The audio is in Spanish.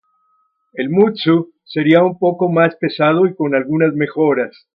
El "Mutsu" sería un poco más pesado y con algunas mejoras.